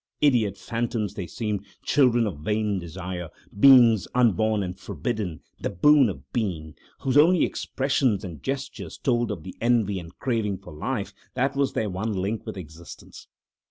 Idiot phantoms, they seemed, children of vain desire, beings unborn and forbidden the boon of being, whose only expressions and gestures told of the envy and craving for life that was their one link with existence.